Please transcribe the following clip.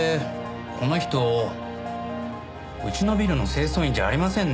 この人うちのビルの清掃員じゃありませんね。